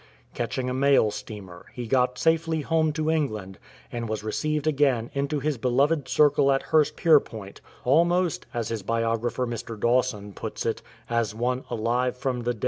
Catching a mail steamer, he got safely home to England, and was received again into his beloved circle at Hurstpierpoint "almost," as his bio grapher Mr. Dawson puts it, " as one alive from the dead."